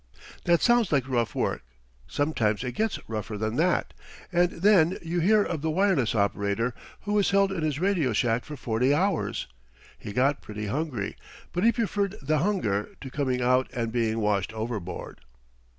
That sounds like rough work. Sometimes it gets rougher than that, and then you hear of the wireless operator who was held in his radio shack for forty hours. He got pretty hungry, but he preferred the hunger to coming out and being washed overboard.